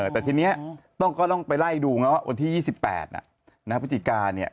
แต่ทีนี้ก็ต้องไปไล่ดูไงว่าวันที่๒๘พฤศจิกาเนี่ย